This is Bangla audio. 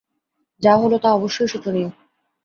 যা হলো তা অবশ্যই শোচনীয়।